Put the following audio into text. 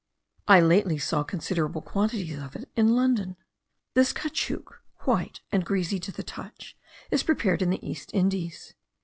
I lately saw considerable quantities of it in London. This caoutchouc, white, and greasy to the touch, is prepared in the East Indies.